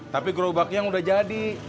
tapi gerobaknya udah jadi